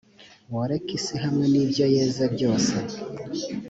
woreke isi hamwe n’ibyo yezebyose.